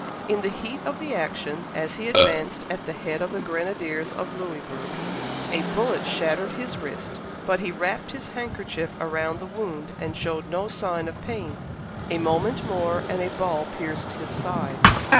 In the heat of the action, as he advanced at the head of the grenadiers of Louisburg, a bullet shattered his wrist, but he wrapped his handkerchief about the wound, and showed no sign of pain. A moment more and a ball pierced his side.